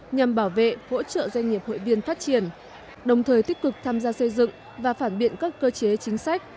nhằm bảo vệ hỗ trợ doanh nghiệp hội viên phát triển đồng thời tích cực tham gia xây dựng và phản biện các cơ chế chính sách